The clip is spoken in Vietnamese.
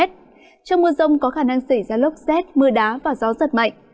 trong mưa rông có khả năng xảy ra lốc xét mưa đá và gió giật mạnh